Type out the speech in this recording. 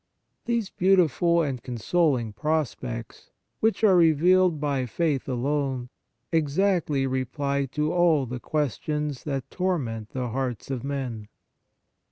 These beautiful and consoling pros pects, which are revealed by faith alone, exactly reply to all the ques tions that torment the hearts of men.